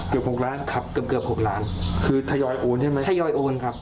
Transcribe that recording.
หกล้านครับเกือบเกือบหกล้านคือทยอยโอนใช่ไหมทยอยโอนครับ